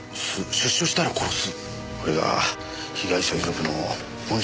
「出所したら殺す」。